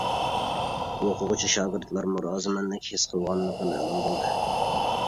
ئوقۇغۇچى شاگىرتلارمۇ رازىمەنلىك ھېس قىلغانلىقى مەلۇم بولدى.